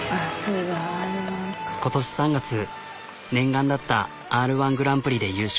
今年３月念願だった「Ｒ−１グランプリ」で優勝。